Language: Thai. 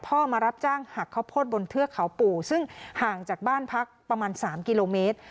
มารับจ้างหักข้าวโพดบนเทือกเขาปู่ซึ่งห่างจากบ้านพักประมาณ๓กิโลเมตร